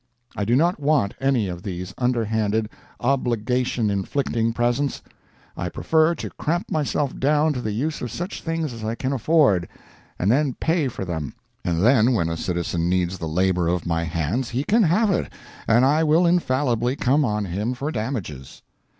I do not want any of these underhanded, obligation inflicting presents. I prefer to cramp myself down to the use of such things as I can afford, and then pay for them; and then when a citizen needs the labor of my hands he can have it, and I will infallibly come on him for damages.